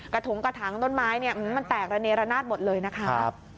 กระถุงกระถังน้นไม้มันแตกระเนรนาศหมดเลยนะคะ